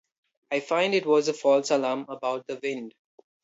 I find it was a false alarm about the wind.